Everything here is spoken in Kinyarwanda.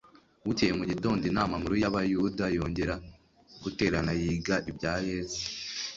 Bukeye mu gitondo inama nkuru y'Abayuda yongera guterana yiga ibya Yesu.